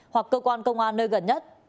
hoặc cơ quan công an nơi gần nhất